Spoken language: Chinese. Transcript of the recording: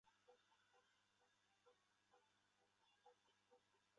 由五十七名司铎名管理三十一个堂区。